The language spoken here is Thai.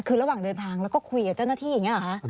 คือระหว่างเดินทางแล้วก็คุยกับเจ้าหน้าที่อย่างนี้หรอคะ